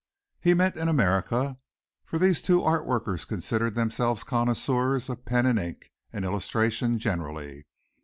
He meant in America, for these two art workers considered themselves connoisseurs of pen and ink and illustration generally.